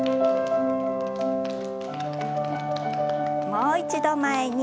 もう一度前に。